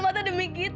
mata mata demi kita